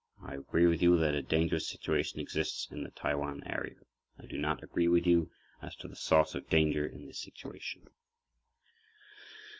I agree with you that a dangerous situation exists in the Taiwan area. I do not agree with you as to the source of danger in this situation.